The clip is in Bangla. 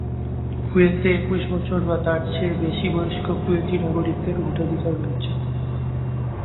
কুয়েতে একুশ বছর বা তার চেয়ে বেশি বয়স্ক কুয়েতি নাগরিকদের ভোটাধিকার রয়েছে।